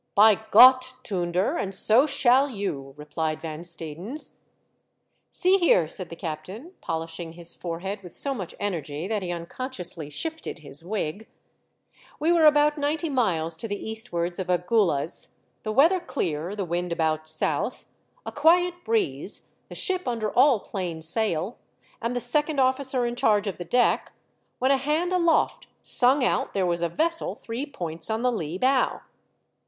" By Gott, Toonder, and so shall you," replied Van Stadens. " See here," said the captain, polishing his forehead with so much energy that he un consciously shifted his wig, "we were about ninety miles to the eastwards of Agulhas, the weather clear, the wind about south, a quiet breeze, the ship under all plain sail, and the second officer in charge of the deck, when a hand aloft sungr out there was a vessel three, points on the lee bow.